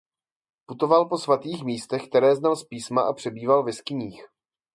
Putoval po svatých místech která znal z Písma a přebýval v jeskyních.